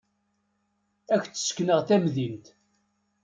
Ad ak-d-sekneɣ tamdint.